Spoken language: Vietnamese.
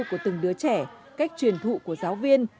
của từng đứa trẻ cách truyền thụ của giáo viên